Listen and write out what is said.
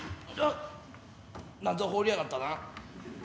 何ぞ放りやがったな。